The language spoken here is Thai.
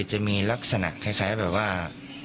จะมีลักษณะคล้ายแบบว่า